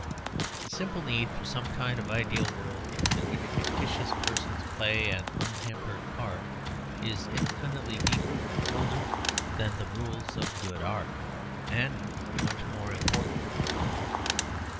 The simple need for some kind of ideal world in which fictitious persons play an unhampered part is infinitely deeper and older than the rules of good art, and much more important.